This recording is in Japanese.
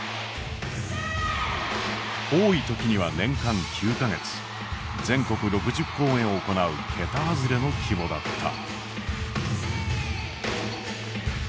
多い時には年間９か月全国６０公演を行う桁外れの規模だった。